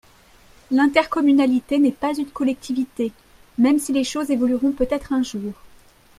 L’intercommunalité n’est pas une collectivité, même si les choses évolueront peut-être un jour.